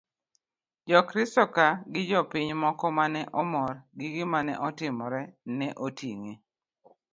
jokristo ka gi jopiny moko ma ne omor gi gimane otimore ne oting'e